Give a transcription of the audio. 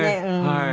はい。